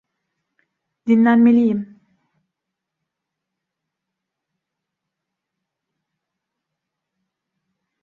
Dinlenmeliyim.